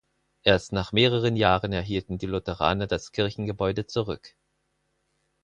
Erst nach mehreren Jahren erhielten die Lutheraner das Kirchengebäude zurück.